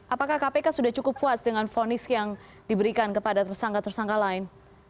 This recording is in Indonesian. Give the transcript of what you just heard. apakah kpk sudah cukup puas dengan vonis yang diberikan kepada tersangka tersangka lain